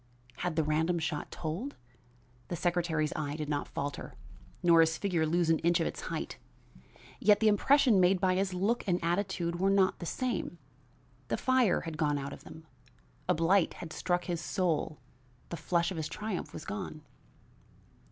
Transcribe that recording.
Had the random shot told? The secretary's eye did not falter, nor his figure lose an inch of its height, yet the impression made by his look and attitude were not the same; the fire had gone out of them; a blight had struck his soul the flush of his triumph was gone.